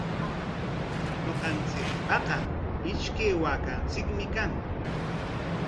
Ñuqanchikpaqa ishkay waakanchikmi kan.